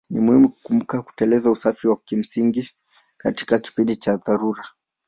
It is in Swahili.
Ni muhimu kukumbuka kutekeleza usafi wa kimsingi katika kipindi cha dharura.